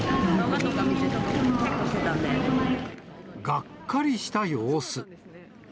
がっかりした様子。